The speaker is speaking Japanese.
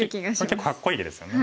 結構かっこいい手ですよね。